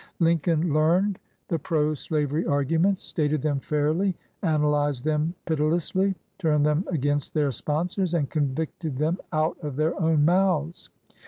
Lincoln learned the pro slavery argu ments, stated them fairly, analyzed them piti lessly, turned them against their sponsors, and convicted them out of their own mouths.